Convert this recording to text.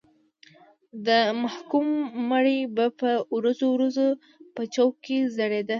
د محکوم مړی به په ورځو ورځو په چوک کې ځړېده.